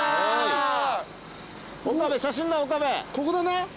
ここだな。